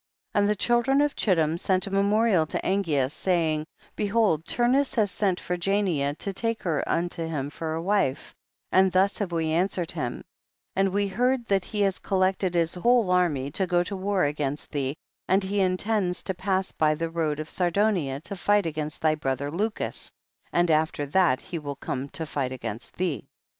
15. And the children of Chittim sent a memorial to Angeas, saying, behold Turnus has sent for Jania to take her unto him for a wife, and thus have we answered him ; and we heard that he has collected his whole army to go to Avar against thee, and he intends to pass by the road of Sardunia to fight against thy brother Lucus, and after that he will come to fight against thee.